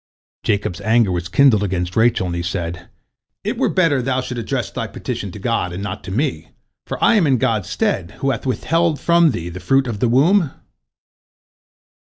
Jacob's anger was kindled against Rachel, and he said: "It were better thou shouldst address thy petition to God, and not to me, for am I in God's stead, who hath withheld from thee the fruit of the womb?"